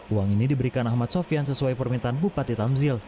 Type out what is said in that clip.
uang ini diberikan ahmad sofian sesuai permintaan bupati tamzil